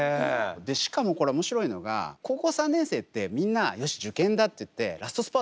でしかもこれ面白いのが高校３年生ってみんなよし受験だって言ってラストスパートするじゃないですか。